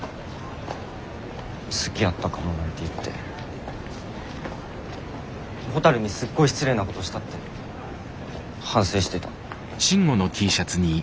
「好きやったかも」なんて言ってほたるにすっごい失礼なことしたって反省してた。